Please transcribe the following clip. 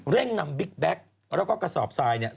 เร่งนำบิ๊กแบ็คแล้วก็กระสอบทรายเนี่ย